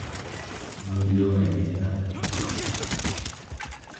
Murió en esta expedición.